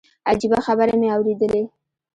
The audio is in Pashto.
عجيبه خبرې مې اورېدلې.